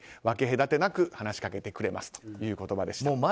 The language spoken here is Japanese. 分け隔てなく話しかけてくれますという言葉でした。